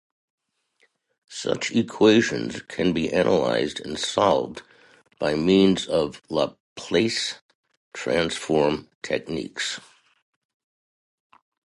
Such equations can be analysed and solved by means of Laplace transform techniques.